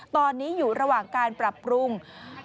ตอนนี้อยู่ระหว่างการปรับปรุง